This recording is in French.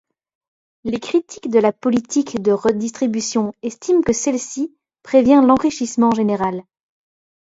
Les critiques de la politique de redistribution estiment que celle-ci prévient l'enrichissement général.